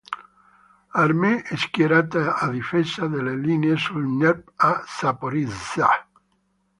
Armee schierata a difesa delle linee sul Dnepr a Zaporižžja.